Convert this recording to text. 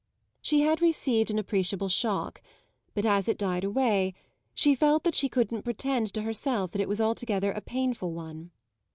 She had received an appreciable shock, but as it died away she felt that she couldn't pretend to herself that it was altogether a painful one.